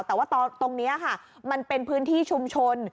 แต่ว่าตรงนี้ค่ะมันเป็นพื้นที่ชุมชน